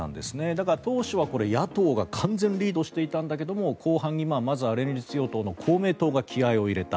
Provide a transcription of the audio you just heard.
だから、当初は野党が完全リードしていたんだけれど後半に連立与党の公明党が気合を入れた。